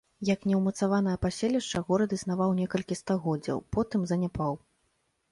Як неўмацаванае паселішча горад існаваў некалькі стагоддзяў, потым заняпаў.